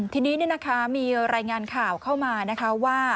ทีนี้มีรายงานข่าวเข้ามานะคะว่า